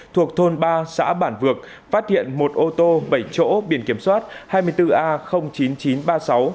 thuộc thôn ba xã bản vược phát hiện một ô tô bảy chỗ biển kiểm soát hai mươi bốn a chín nghìn chín trăm ba mươi sáu